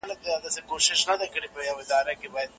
پوهنتون محصلین د سولي په نړیوالو خبرو کي برخه نه لري.